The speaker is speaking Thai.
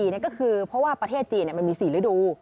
ก็คือเพราะว่าประเทศจีนมันมี๔ฤดู